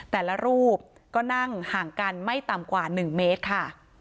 แต่ละรูปก็นั่งห่างกันไม่ต่ำกว่า๑เมตรค่ะ